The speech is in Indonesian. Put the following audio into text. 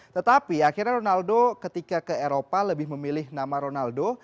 tetapi akhirnya ronaldo ketika ke eropa lebih memilih nama ronaldo